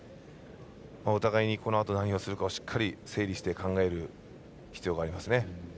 お互いにこのあと、何をするかしっかり整理して考える必要がありますね。